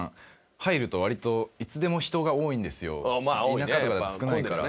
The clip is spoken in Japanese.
田舎とかだと少ないから。